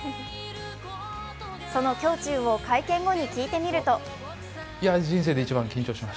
その胸中を会見後に聞いてみると。